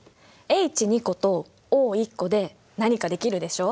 Ｈ２個とＯ１個で何かできるでしょ？